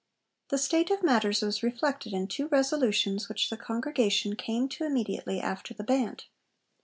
The state of matters was reflected in two resolutions which the Congregation came to immediately after the Band.